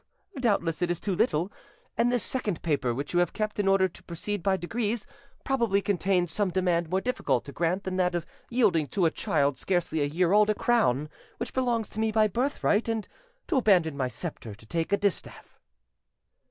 Ah! doubtless it is too little; and this second paper, which you have kept in order to proceed by degrees, probably contains some demand more difficult to grant than that of yielding to a child scarcely a year old a crown which belongs to me by birthright, and to abandon my sceptre to take a distaff."